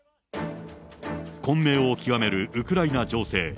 混迷を極めるウクライナ情勢。